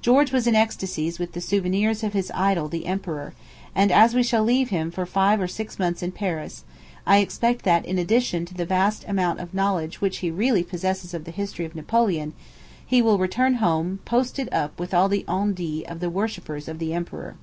George was in ecstasies with the souvenirs of his idol the emperor; and as we shall leave him for five or six months in Paris, I expect that, in addition to the vast amount of knowledge which he really possesses of the history of Napoleon, he will return home posted up with all the on dits of the worshippers of the emperor.